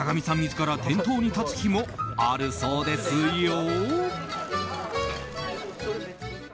自ら店頭に立つ日もあるそうですよ。